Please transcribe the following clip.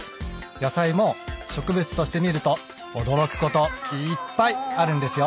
野菜も植物として見ると驚くこといっぱいあるんですよ。